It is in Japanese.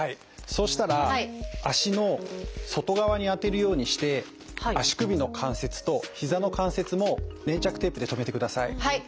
そうしたら脚の外側に当てるようにして足首の関節と膝の関節も粘着テープで留めてください。